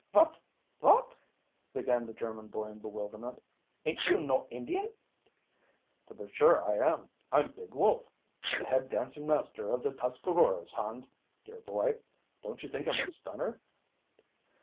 "Vot vot ?" began the German boy in bewilderment. "Ain't you no Indian?" "To be sure I am; I'm Big Wolf, the Head Dancing Master of the Tuscaroras, Hans, dear boy. Don't you think I'm a stunner."